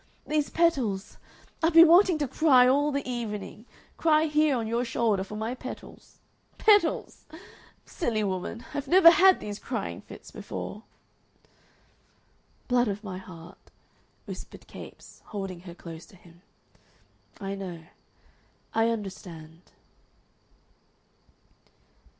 These petals! I've been wanting to cry all the evening, cry here on your shoulder for my petals. Petals!... Silly woman!... I've never had these crying fits before...." "Blood of my heart!" whispered Capes, holding her close to him. "I know. I understand."